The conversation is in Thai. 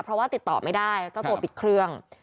เพราะว่าติดต่อไม่ได้เจ้าตัวปิดเครื่อง